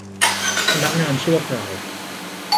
พนักงานชั่วคราว